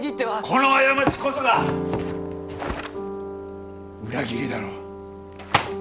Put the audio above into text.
この過ちこそが裏切りだろう？